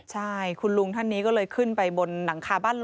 ใช่คุณลุงท่านนี้ก็เลยขึ้นไปบนหลังคาบ้าน